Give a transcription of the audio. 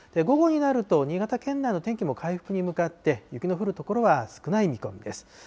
午後になると、新潟県内の天気も回復に向かって雪の降る所は少ない見込みです。